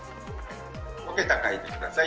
５桁書いて下さい。